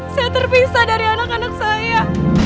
saya terpisah dari anak anak saya